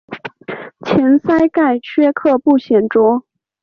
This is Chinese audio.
前鳃盖缺刻不显着。